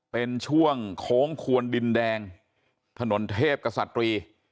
เป็นช่วงโค้งควนดินแดงถนนเทพกษัตรี